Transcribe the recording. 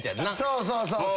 そうそうそう。